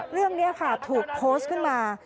เรื่องนี้ค่ะถูกโพสต์ขึ้นมา